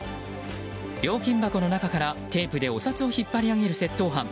料金箱の中からテープでお札を引っ張り上げる窃盗犯。